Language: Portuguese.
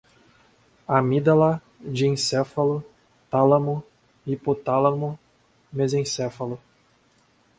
amigdala, diencéfalo, tálamo, hipotálamo, mesencéfalo